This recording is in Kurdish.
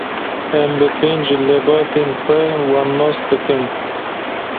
Em bi pênc lebatên xwe wan nas dikin.